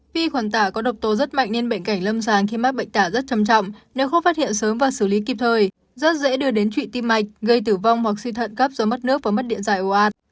vi khuẩn tả có độc tố rất mạnh nên bệnh cảnh lâm sàng khi mắc bệnh tả rất trầm trọng nếu không phát hiện sớm và xử lý kịp thời rất dễ đưa đến trụy tim mạch gây tử vong hoặc suy thận gấp do mất nước và mất điện dài ô át